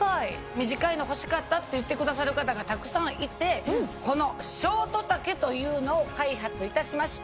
短いの欲しかったって言ってくださる方がたくさんいてこのショート丈というのを開発いたしました！